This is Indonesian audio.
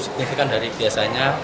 ini kan dari biasanya